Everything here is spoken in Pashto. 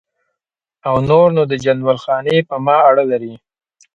او نور نو د جندول خاني په ما اړه لري.